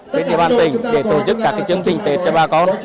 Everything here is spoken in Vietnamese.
trên địa bàn tỉnh để tổ chức các chương trình tết cho bà con